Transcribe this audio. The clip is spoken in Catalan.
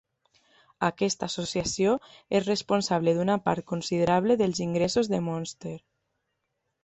Aquesta associació és responsable d'una part considerable dels ingressos de Monster.